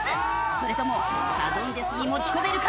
それともサドンデスに持ち込めるか？